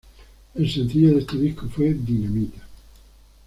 El sencillo de ese disco fue "Dinamita".